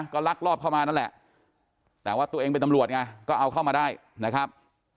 ก็ลักลอบเข้ามานั่นแหละแต่ว่าตัวเองเป็นตำรวจไงก็เอาเข้ามาได้นะครับ